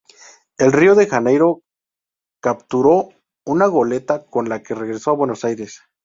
En Río de Janeiro capturó una goleta, con la que regresó a Buenos Aires.